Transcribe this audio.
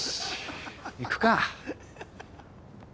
行くか。